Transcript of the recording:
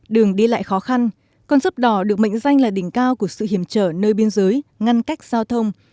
đường đi lại khó khăn con dốc đỏ được mệnh danh là đỉnh cao của sự hiểm trở nơi biên giới ngăn cách giao thông